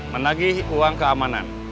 menagih uang keamanan